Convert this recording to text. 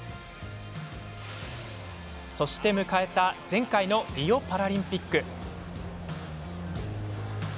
そして迎えた前回のリオパラリンピック。